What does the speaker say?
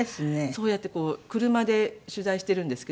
そうやってこう車で取材しているんですけど。